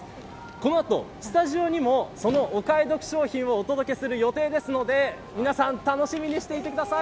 この後、スタジオにもそのお買い得商品をお届けする予定ですので皆さん楽しみにしていてください。